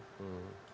biasa aja sih